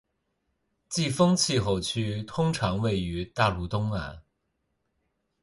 季风气候区通常位于大陆东岸